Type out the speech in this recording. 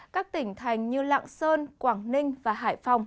các tỉnh thành như lạng sơn quảng ninh và hải phòng